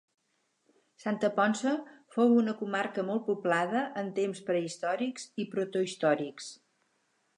Santa Ponça fou una comarca molt poblada en temps prehistòrics i protohistòrics.